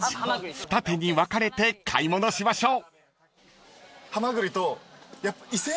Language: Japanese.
［二手に分かれて買い物しましょう］